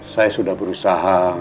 saya sudah berusaha